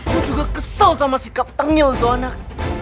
lo juga kesel sama sikap tengil itu anak